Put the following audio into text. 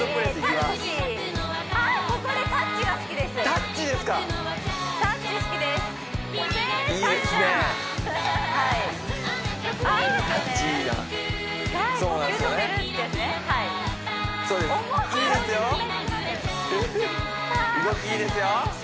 動きいいですよ